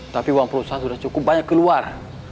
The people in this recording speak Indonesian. tapi uang perusahaan sudah cukup banyak keluar